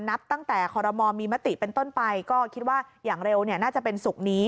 นับตั้งแต่คอรมอลมีมติเป็นต้นไปก็คิดว่าอย่างเร็วน่าจะเป็นศุกร์นี้